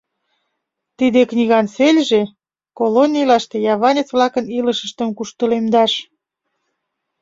“Тиде книган цельже: колонийлаште яванец-влакын илышыштым куштылемдаш.